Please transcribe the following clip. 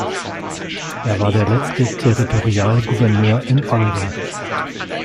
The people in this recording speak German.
Er war der letzte Territorialgouverneur in Oregon.